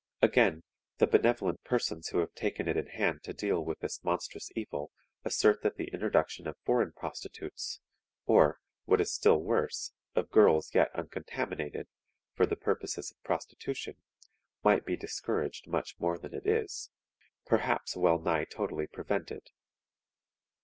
Again: the benevolent persons who have taken it in hand to deal with this monstrous evil assert that the introduction of foreign prostitutes, or, what is still worse, of girls yet uncontaminated, for the purposes of prostitution, might be discouraged much more than it is, perhaps well nigh totally prevented.